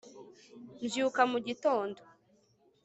mbyuka mu gitondo